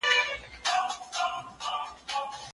د اخرت ژوند تلپاتې دی.